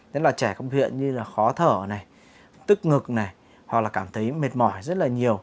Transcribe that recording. đấy là trẻ có biểu hiện như là khó thở này tức ngực này hoặc là cảm thấy mệt mỏi rất là nhiều